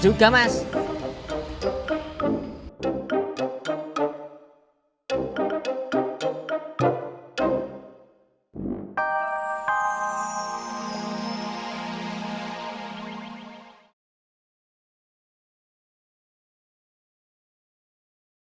gak tau pak rw